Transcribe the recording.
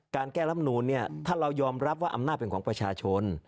การแก้รับนูนเนี่ยถ้าเรายอมรับว่าอำนาจเป็นของประชาชน